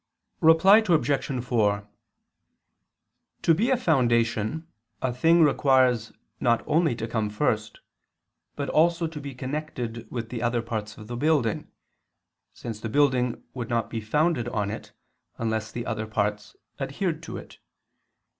Reply Obj. 4: To be a foundation a thing requires not only to come first, but also to be connected with the other parts of the building: since the building would not be founded on it unless the other parts adhered to it.